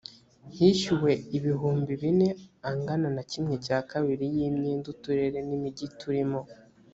hishyuwe ibihumbi bine angana na kimwe cya kabiri y imyenda uturere n imijyi turimo